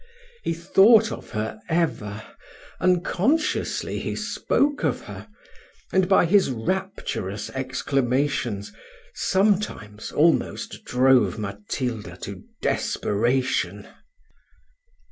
He thought of her ever; unconsciously he spoke of her; and, by his rapturous exclamations, sometimes almost drove Matilda to desperation.